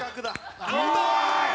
アウト！